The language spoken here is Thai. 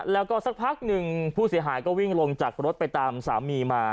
แล้วก็สักพักหนึ่งผู้เสียหายก็วิ่งลงจากรถไปตามสามีมา